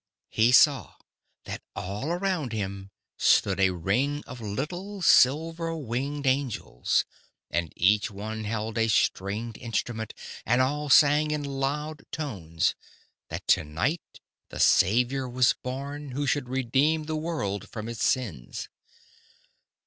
"He saw that all around him stood a ring of little silver winged angels, and each held a stringed instrument, and all sang in loud tones that to night the Saviour was born who should redeem the world from its sins.